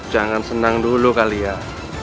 jangan senang dulu kalian